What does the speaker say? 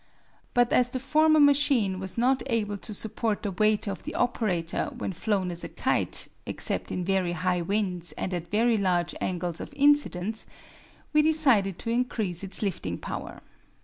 But as the former machine was not able to support the weight of the operator when flown as a kite, except in very high winds and at very large angles of incidence, we decided to increase its lifting power.